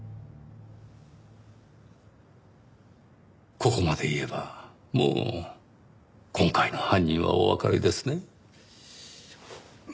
ここまで言えばもう今回の犯人はおわかりですね？